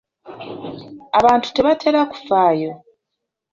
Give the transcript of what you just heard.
Abantu tebatera kufaayo.